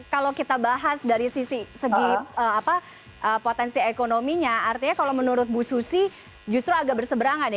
kalau kita bahas dari sisi potensi ekonominya artinya kalau menurut bu susi justru agak berseberangan ya